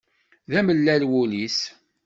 d amellal wul-is.